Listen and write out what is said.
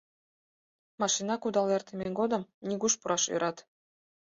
Машина кудал эртыме годым нигуш пураш ӧрат.